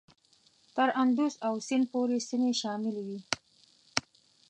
تر اندوس او سیند پورې سیمې شاملي وې.